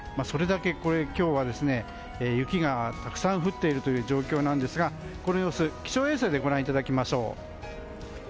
それだけ今日は雪がたくさん降っているという状況なんですがこの様子を気象衛星でご覧いただきましょう。